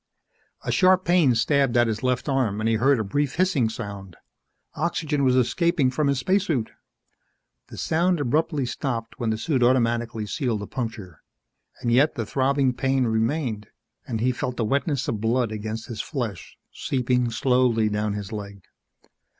A sharp pain stabbed at his left arm and he heard a brief hissing sound. Oxygen was escaping from his spacesuit. The sound abruptly stopped when the suit automatically sealed the puncture. And yet the throbbing pain remained and he felt the wetness of blood against his flesh, seeping slowly down his leg.